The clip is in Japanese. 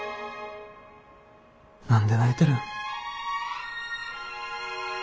何で泣いてるん？